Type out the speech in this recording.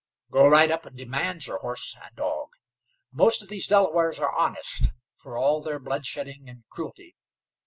"Go right up and demand your horse and dog. Most of these Delawares are honest, for all their blood shedding and cruelty.